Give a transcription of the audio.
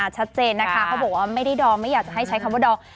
ชัดเจนนะคะเขาบอกว่าไม่ได้ดองไม่อยากจะให้ใช้คำว่าดอง